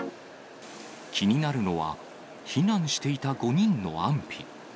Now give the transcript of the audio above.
気になるのは、避難していた５人の安否。